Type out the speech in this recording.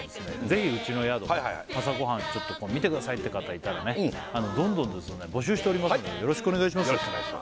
ぜひうちの宿朝ごはんちょっと見てくださいって方いたらねどんどん募集しておりますのでよろしくお願いします